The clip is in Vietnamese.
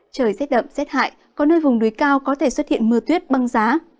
trời rét đậm rét hại có nơi vùng núi cao có thể xuất hiện mưa tuyết băng giá